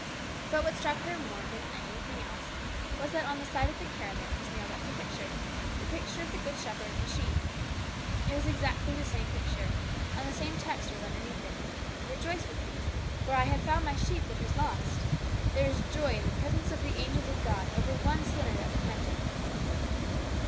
But what struck her more than anything else was that on the side of the caravan was nailed up her picture, the picture of the Good Shepherd and the sheep. It was exactly the same picture, and the same text was underneath it 'Rejoice with Me; for I have found My sheep which was lost.' 'There is joy in the presence of the angels of God over one sinner that repenteth.'